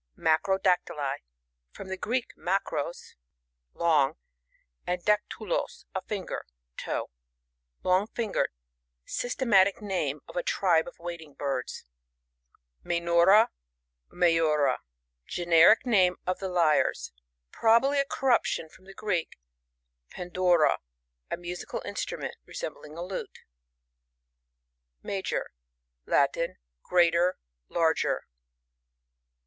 Macrodactyli — From the Greek, mffAros, long, and daktuloti, a finger (toe.) Lonjj fingered. Systematic name of a tribe of Wading birds. MiBNURA, or MiGURA. — Generic name ofthe Lyres. Probably a corruptirja from the Greek, pandoura, a mnsi eal instrument resembling a lute. Major. — Latin. Greater, larger.